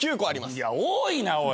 いや多いなおい。